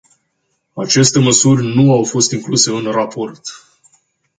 Aceste măsuri nu au fost incluse în raport.